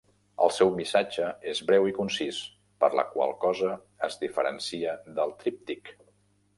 El seu missatge és breu i concís, per la qual cosa es diferencia del tríptic.